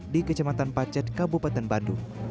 di kecematan pacet kabupaten bandung